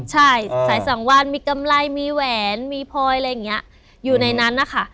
ใช่สายสังวันมีกำไรมีแหวนมีพลอยอะไรอย่างนี้อยู่ในนั้นนะคะ